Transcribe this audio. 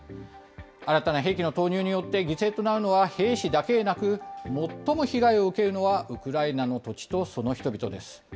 新たな兵器の投入によって、犠牲となるのは兵士だけでなく、最も被害を受けるのはウクライナの土地とその人々です。